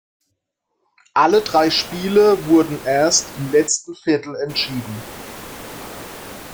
Alle drei Spiele wurden erst im letzten Viertel entschieden.